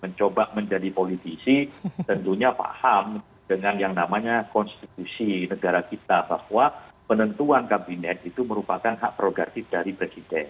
mencoba menjadi politisi tentunya paham dengan yang namanya konstitusi negara kita bahwa penentuan kabinet itu merupakan hak prerogatif dari presiden